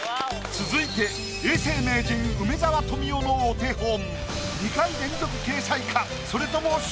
続いて永世名人梅沢富美男のお手本。